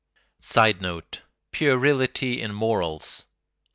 [Sidenote: Puerility in morals.